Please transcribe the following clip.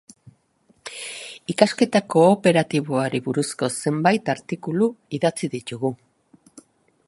Ikasketa kooperatiboari buruzko zenbait artikulu idatzi ditugu.